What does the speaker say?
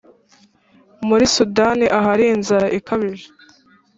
muri sudani ahari inzara ikabije